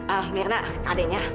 ah mirna adeknya